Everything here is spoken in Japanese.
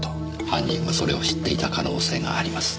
犯人はそれを知っていた可能性があります。